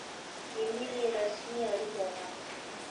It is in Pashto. ایمیل رسمي اړیکه ده